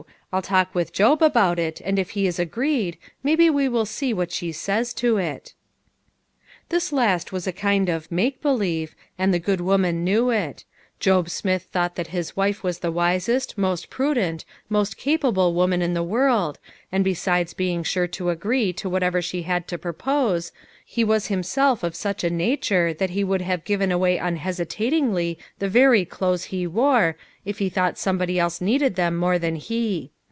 I'll talk with Job about it, and if he is agreed, maybe we will see what she says to it." This last was a kind of " make believe," and the good woman knew it ; Job Smith thought that his wife was the wisest, most prudent, most capa ble woman in the world, and besides being sure to agree to whatever she had to propose, he was himself of such a nature that he would have given away unhesitatingly the very clothes he wore, if 110 LITTLE FISHERS: AND THEIR NETS. he thought somebody else needed them more than he.